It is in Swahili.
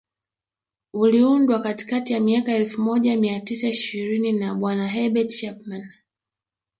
uliundwa katikati ya miaka ya elfu moja mia tisa ishirini na bwana Herbert Chapman